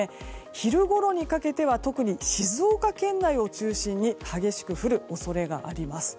昼ごろにかけては特に静岡県内を中心に激しく降る恐れがあります。